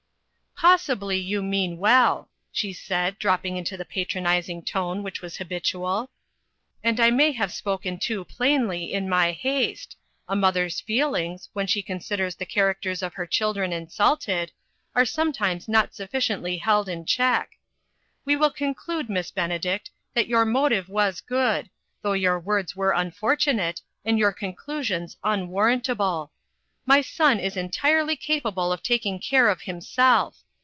"Possibly you mean well," she said, drop ping into the patronizing tone which was habitual, " and I may have spoken too plainly, in my haste ; a mother's feelings, when she considers the characters of her children insulted, are sometimes not suffi ciently held in check. We will conclude, Miss Benedict, that your motive was good, though your words were unfortunate, and your conclusions unwarrantable. My son is entirely capable of taking care of himself.